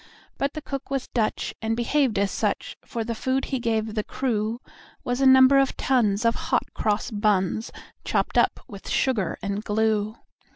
But the cook was Dutch, and behaved as such; For the food that he gave the crew Was a number of tons of hot cross buns, Chopped up with sugar and glue.